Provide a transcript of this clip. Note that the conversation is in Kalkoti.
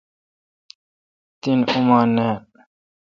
تین اوما ناین۔